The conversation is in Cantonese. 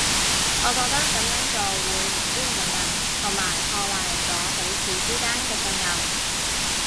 我覺得噉樣做會唔尊重人，同埋破壞咗彼此之間嘅信任